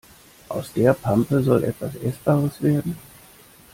Aus der Pampe soll etwas Essbares werden?